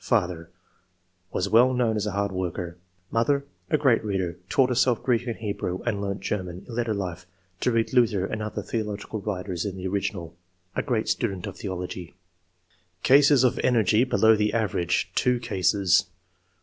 Father — Was well known as a hard worker. Mother — ^A great reader; taught herself Greek II.] QUALITIES, 97 and Hebrew, and leamt German, in later life, to read Luther and other theological writers in the original. A great student of theology." CASES OF ENERGY BELOW THE AVERAGE — TWO CASES.